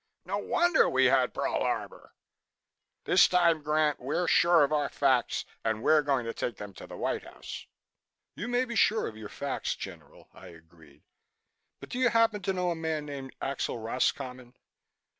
No wonder we had Pearl Harbor! This time, Grant, we're sure of our facts and we're going to take them to the White House." "You may be sure of your facts, General," I agreed, "but do you happen to know a man named Axel Roscommon?"